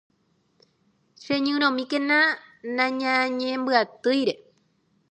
Cheñyrõmíkena nañañembyatýire.